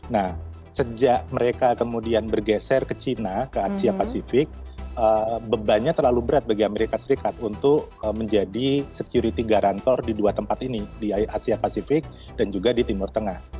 nah sejak mereka kemudian bergeser ke china ke asia pasifik bebannya terlalu berat bagi amerika serikat untuk menjadi security garantor di dua tempat ini di asia pasifik dan juga di timur tengah